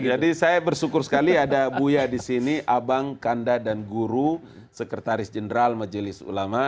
jadi saya bersyukur sekali ada buya di sini abang kanda dan guru sekretaris jenderal majelis ulama